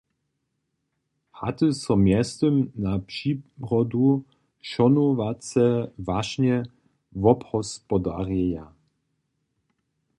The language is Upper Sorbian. Haty so mjeztym na přirodu šonowace wašnje wobhospodarjeja.